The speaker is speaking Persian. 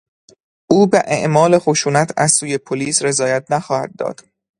او به اعمال خشونت از سوی پلیس رضایت نخواهد داد.